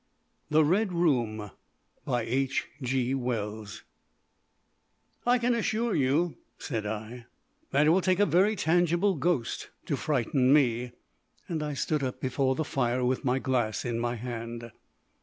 THE RED ROOM "I can assure you," said I, "that it will take a very tangible ghost to frighten me." And I stood up before the fire with my glass in my hand.